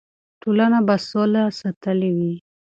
ټولنه به سوله ساتلې وي.